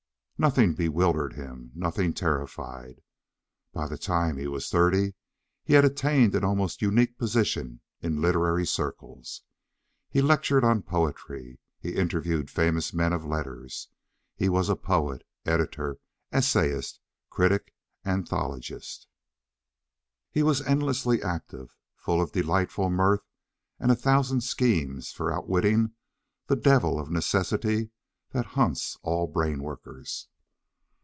Nothing bewildered him, nothing terrified. By the time he was thirty he had attained an almost unique position in literary circles. He lectured on poetry, he interviewed famous men of letters, he was poet, editor, essayist, critic, anthologist. He was endlessly active, full of delightful mirth and a thousand schemes for outwitting the devil of necessity that hunts all brainworkers.